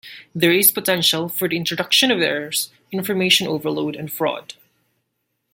There is potential for the introduction of errors, information overload, and fraud.